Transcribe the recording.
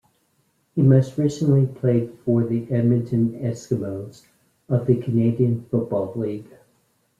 He most recently played for the Edmonton Eskimos of the Canadian Football League.